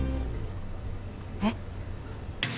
えっ！？